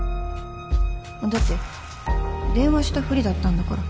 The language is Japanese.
だって電話したふりだったんだから